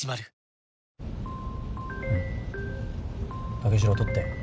武四郎取って。